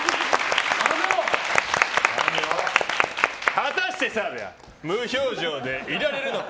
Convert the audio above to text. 果たして澤部は無表情でいられるのか。